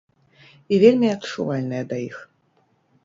І вельмі адчувальныя да іх.